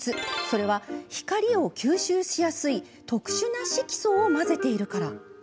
それは光を吸収しやすい特殊な色素を混ぜているから。